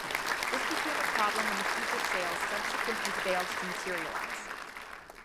This became a problem when the future sales subsequently failed to materialize.